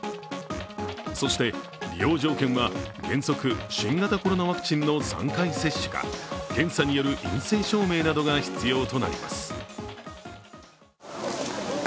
そして、利用条件は原則、新型コロナワクチンの３回接種か検査による陰性証明などが必要となります。